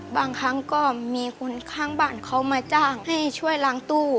บางครั้งก็มีคนข้างบ้านเขามาจ้างให้ช่วยล้างตู้